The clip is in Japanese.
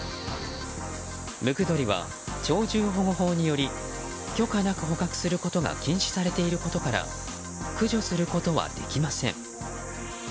ムクドリは鳥獣保護法により許可なく捕獲することが禁止されていることから駆除することはできません。